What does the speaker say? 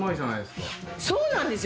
そうなんですよ。